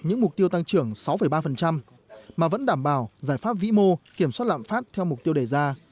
những mục tiêu tăng trưởng sáu ba mà vẫn đảm bảo giải pháp vĩ mô kiểm soát lạm phát theo mục tiêu đề ra